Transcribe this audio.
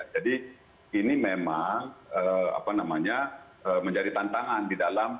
jadi ini memang menjadi tantangan di dalam